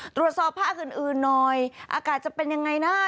ตรวจสอบภาคอื่นหน่อยอากาศจะเป็นยังไงนะ